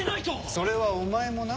それはお前もな。